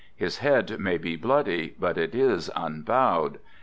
His head may be bloody, but it is unbowed.